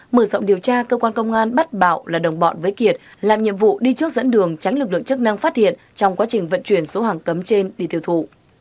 mở rộng điều tra cơ quan công an bắt bạo là đồng bọn với kiệt làm nhiệm vụ đi trước dẫn đường tránh lực lượng chức năng phát hiện trong quá trình vận chuyển số hàng cấm trên đi tiêu thụ